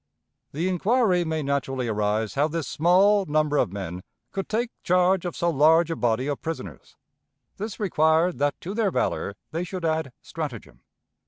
The inquiry may naturally arise how this small, number of men could take charge of so large a body of prisoners. This required that to their valor they should add stratagem.